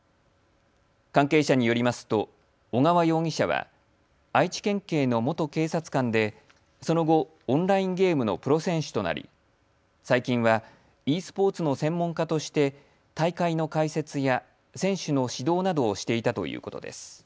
関係者によりますと小川容疑者は愛知県警の元警察官でその後、オンラインゲームのプロ選手となり最近はｅスポーツの専門家として大会の解説や選手の指導などをしていたということです。